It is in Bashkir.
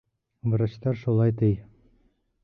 Врачтар шулай, ти.